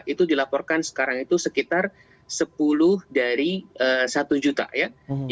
itu dilaporkan sekarang itu sekitar sepuluh dari satu juta ya